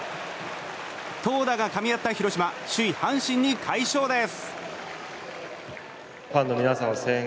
投打がかみ合った広島首位、阪神に快勝です。